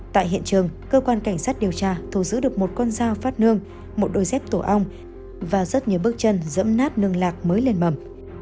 tại hiện trường cơ quan cảnh sát điều tra thu giữ được một con dao phát nương một đôi dép tổ ong và rất nhiều bước chân dẫm nát nương lạc mới lên mầm